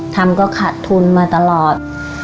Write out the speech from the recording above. ทำก็ขาดทุนมาตลอด